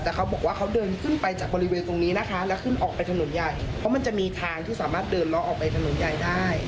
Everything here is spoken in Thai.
แต่เขาบอกว่าเขาเดินขึ้นไปจากบริเวณตรงนี้นะคะแล้วขึ้นออกไปถนนใหญ่เพราะมันจะมีทางที่สามารถเดินล้อออกไปถนนใหญ่ได้